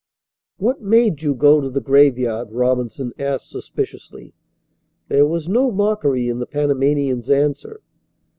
"What made you go to the graveyard?" Robinson asked suspiciously. There was no mockery in the Panamanian's answer.